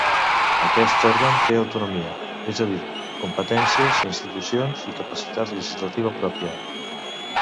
Aquest òrgan té autonomia, és a dir, competències, institucions i capacitat legislativa pròpia.